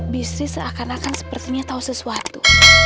bisnis seakan akan sepertinya tahu sesuatu